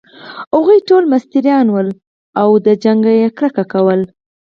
هغوی ټوله مستریان ول، او له جګړې يې کرکه کول.